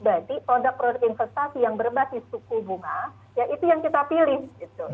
berarti produk produk investasi yang berbasis suku bunga ya itu yang kita pilih gitu